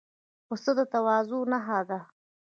پسه د تواضع نښه ده.